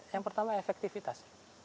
yang pertama efektivitas